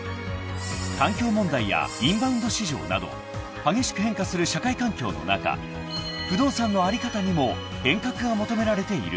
［環境問題やインバウンド市場など激しく変化する社会環境の中不動産の在り方にも変革が求められている］